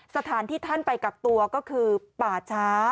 สถานที่ท่านไปกักตัวก็คือป่าช้า